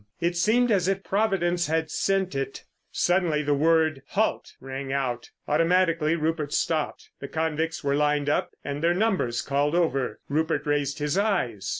It seemed as if Providence had sent it. Suddenly the word "Halt!" rang out. Automatically Rupert stopped. The convicts were lined up and their numbers called over. Rupert raised his eyes.